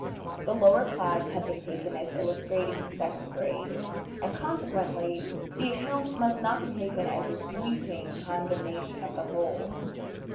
The lower class have been taken as illustrating the second grade, and consequently the account must not be taken as a sweeping condemnation of the whole.